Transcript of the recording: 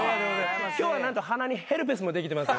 今日は何と鼻にヘルペスもできてます。